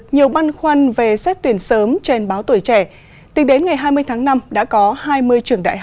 nhiều băn khoăn về xét tuyển sớm trên báo tuổi trẻ tính đến ngày hai mươi tháng năm đã có hai mươi trường đại học